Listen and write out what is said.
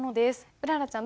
うららちゃん